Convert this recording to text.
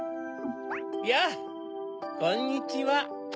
やぁこんにちは。